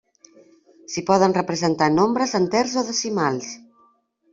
S'hi poden representar nombres enters o decimals.